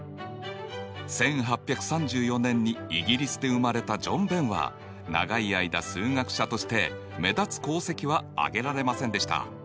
１８３４年にイギリスで生まれたジョン・ベンは長い間数学者として目立つ功績はあげられませんでした。